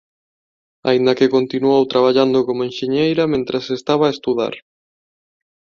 Aínda que continuou traballando como enxeñeira mentres estaba a estudar.